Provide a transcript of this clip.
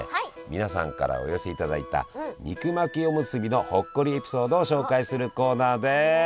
皆さんからお寄せいただいた肉巻きおむすびの「ほっこりエピソード」を紹介するコーナーです！